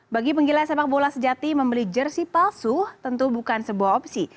bagi penggila sepak bola sejati membeli jersi palsu tentu bukan sebuah opsi